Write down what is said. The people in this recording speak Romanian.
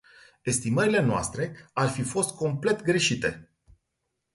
Estimările noastre ar fi fost complet greșite.